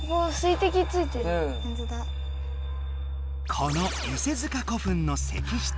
この伊勢塚古墳の石室。